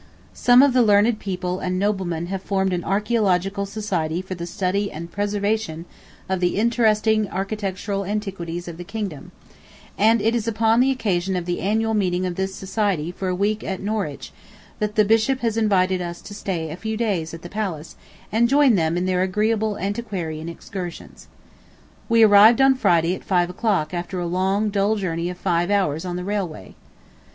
... Some of the learned people and noblemen have formed an Archæological Society for the study and preservation [of] the interesting architectural antiquities of the kingdom, and [it] is upon the occasion of the annual meeting of this society for a week at Norwich that the Bishop has invited us to stay a few days at the palace and join them in their agreeable antiquarian excursions. We arrived on Friday at five o'clock after a long dull journey of five hours on the railway.